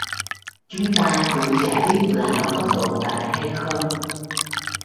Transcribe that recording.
Chúng ta cũng chả biết là nó có tồn tại hay không